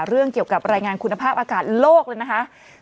เรื่องเกี่ยวกับรายงานคุณภาพอากาศโลกเลยนะคะ